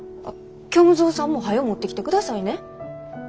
あっ虚無蔵さんもはよ持ってきてくださいね。